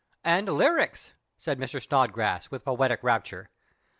And lyrics," said Mr. Snodgrass, with poetic rapture.